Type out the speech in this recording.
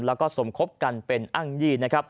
แล้วก็สมคบกันเป็นอ้างยีน